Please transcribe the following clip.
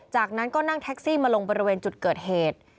จากนั้นก็นั่งแท็กซี่มาลงบริเวณจุดเกิดเหตุ